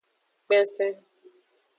Kpensen.